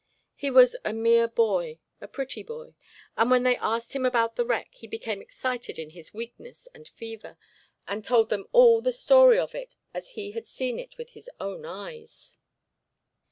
He was a mere boy, a pretty boy, and when they asked him about the wreck he became excited in his weakness and fever, and told them all the story of it as he had seen it with his own eyes.